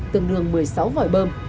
tương đương một mươi sáu vòi bơm